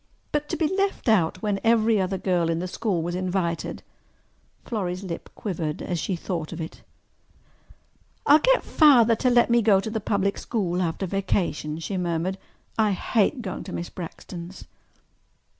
But to be left out when every other girl in the school was invited! Florrie's lip quivered as she thought of it. "I'll get Father to let me to go to the public school after vacation," she murmured. "I hate going to Miss Braxton's."